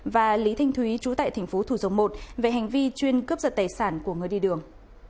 và lý thanh thúy trú tại tp thủ dòng một về hành vi chuyên cướp giật tài sản của người đi đường